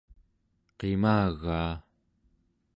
qimagaa